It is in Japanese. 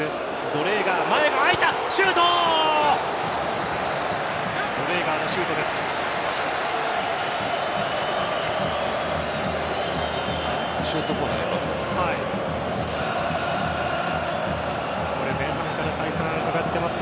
ドレーガーのシュートです。